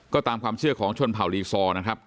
ก็ตามความเชื่อของชนเผ่าลีซอร์นะครับ